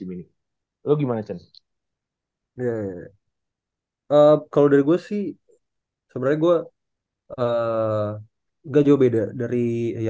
menahan si aj di